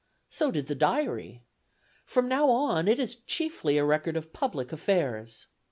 So did the diary! From now on it is chiefly a record of public affairs.